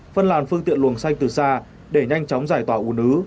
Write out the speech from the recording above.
phân làn phương tiện luồng xanh từ xa để nhanh chóng giải tỏa ủ nứ